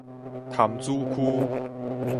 潭子區